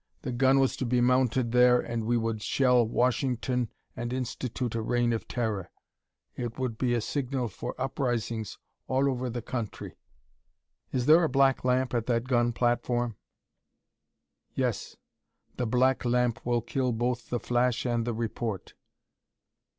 The gun was to be mounted there and we would shell Washington and institute a reign of terror. It would be a signal for uprisings all over the country." "Is there a black lamp at that gun platform?" "Yes. The black lamp will kill both the flash and the report."